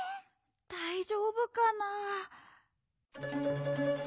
だいじょうぶかな？